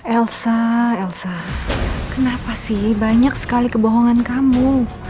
elsa elsa kenapa sih banyak sekali kebohongan kamu